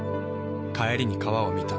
帰りに川を見た。